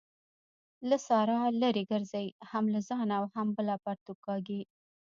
له سارا لري ګرځئ؛ هم له ځانه او هم بله پرتوګ کاږي.